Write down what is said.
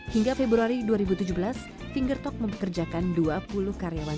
hingga februari dua ribu tujuh belas finger talk mempekerjakan dua puluh karyawan